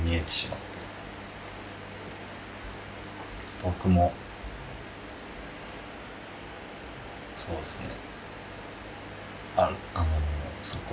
ホント僕もそうっすね